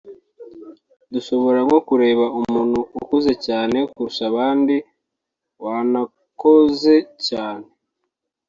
dushobora nko kureba umuntu ukuze cyane kurusha abandi wanakoze cyane